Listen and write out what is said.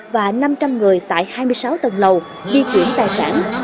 và năm trăm linh người tại hai mươi sáu tầng lầu di chuyển tài sản